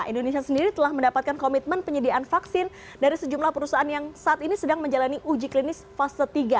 indonesia sendiri telah mendapatkan komitmen penyediaan vaksin dari sejumlah perusahaan yang saat ini sedang menjalani uji klinis fase tiga